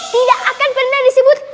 tidak akan pernah disebut